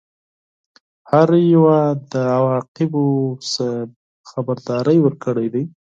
هر یوه د عواقبو څخه خبرداری ورکړی دی.